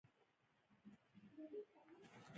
د شکرې دوهم ډول مقاومت دی.